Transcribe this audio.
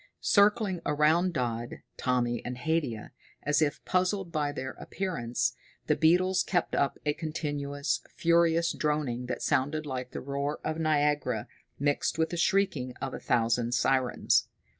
Circling around Dodd, Tommy, and Haidia, as if puzzled by their appearance, the beetles kept up a continuous, furious droning that sounded like the roar of Niagara mixed with the shrieking of a thousand sirens.